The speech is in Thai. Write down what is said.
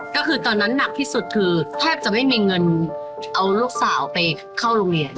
ก็คือตอนนั้นหนักที่สุดคือแทบจะไม่มีเงินเอาลูกสาวไปเข้าโรงเรียน